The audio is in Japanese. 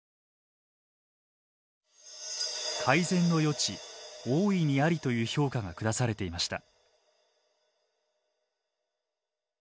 「改善の余地大いにあり」という評価が下されていました。